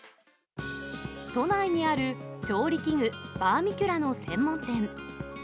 都内にある調理器具、バーミキュラの専門店。